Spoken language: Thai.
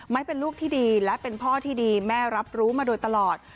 เป็นลูกที่ดีและเป็นพ่อที่ดีแม่รับรู้มาโดยตลอด